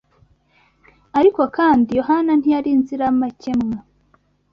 Ariko kandi Yohana ntiyari inziramakemwa.